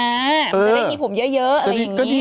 ใดไกลนี้ผมเยอะอะไรอย่างนี้